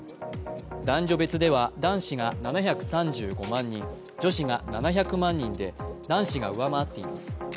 男女別では男子が７３５万人女子が７００万人で男子が上回っています。